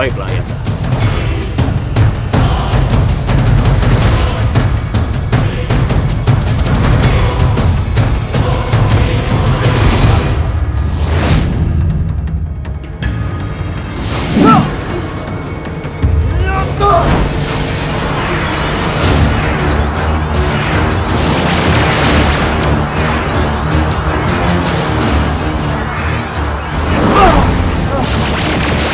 hitam ya sabarnya kasih